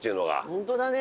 ホントだね。